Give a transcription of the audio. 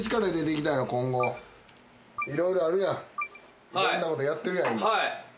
色々あるやんいろんなことやってるやん今。